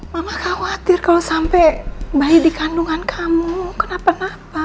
mama khawatir kalo sampe bayi dikandungan kamu kenapa napa